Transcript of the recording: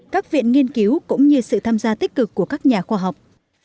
các viện nghiên cứu cũng như sự tham gia tích cực của các nhà khoa học